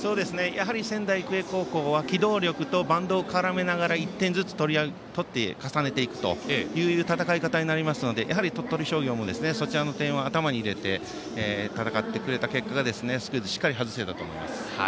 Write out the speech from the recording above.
仙台育英高校は機動力とバントを絡めながら１点ずつ取って重ねていくという戦い方になりますので鳥取商業も、その点を頭に入れて戦ってくれた結果がスクイズを外したんだと思います。